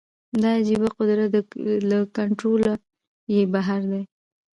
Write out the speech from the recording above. دا عجیبه قدرت له کنټروله یې بهر دی